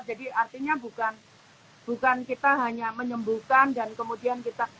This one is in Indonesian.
jadi artinya bukan kita hanya menyembuhkan dan kemudian kita